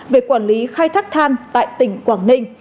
về quản lý khai thác than tại tỉnh quảng ninh